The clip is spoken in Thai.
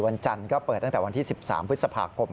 วันจันทร์ก็เปิดตั้งแต่วันที่๑๓พฤษภาคม